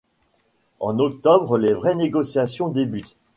En octobre les vraies négociations débutent.